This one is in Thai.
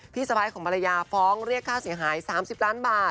สะพ้ายของภรรยาฟ้องเรียกค่าเสียหาย๓๐ล้านบาท